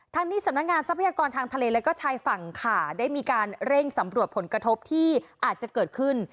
ที่สำนักงานทรัพยากรทางทะเลและก็ชายฝั่งค่ะได้มีการเร่งสำรวจผลกระทบที่อาจจะเกิดขึ้น